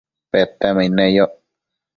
Petemaid neyoc